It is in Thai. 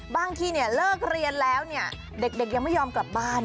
บางทีเลิกเรียนแล้วเนี่ยเด็กยังไม่ยอมกลับบ้าน